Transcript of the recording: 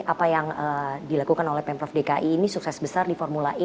apa yang dilakukan oleh pemprov dki ini sukses besar di formula e